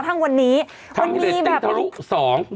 ทั้งวันนี้วันนี้แบบ